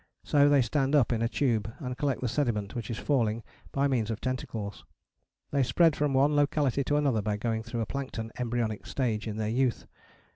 So they stand up in a tube and collect the sediment which is falling by means of tentacles. They spread from one locality to another by going through a plankton embryonic stage in their youth.